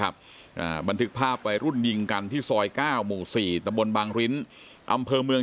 บันทึกภาพวัยรุ่นยิงกันที่ซอย๙๔ิตะบนบังริ้น